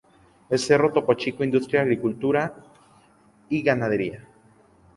El cerro Topo Chico, industria, agricultura y ganadería.